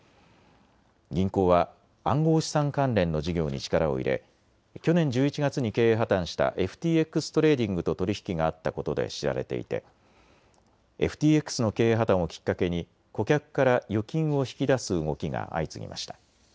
銀行は暗号資産関連の事業に力を入れ、去年１１月に経営破綻したＦＴＸトレーディングと取り引きがあったことで知られていてＦＴＸの経営破綻をきっかけに顧客から預金を引き出す動きが相次ぎました。